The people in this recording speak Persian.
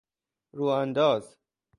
رو انداز